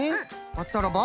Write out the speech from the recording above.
はったらば？